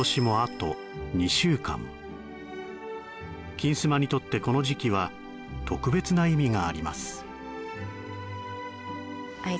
金スマにとってこの時期は特別な意味があります